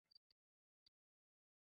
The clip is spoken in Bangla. তারা দুজনেই তখন কিশোরী ছিল।